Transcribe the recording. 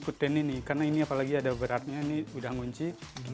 karena ini apalagi ada beratnya ini sudah mengunci